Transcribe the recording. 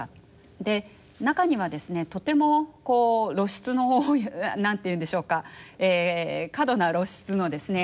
で中にはですねとても露出の多い何て言うんでしょうか過度な露出のですね